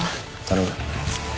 頼む。